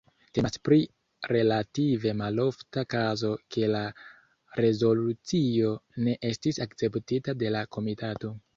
Temas pri relative malofta kazo ke la rezolucio ne estis akceptita de la komitato.